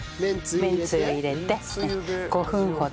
めんつゆ入れて５分ほど。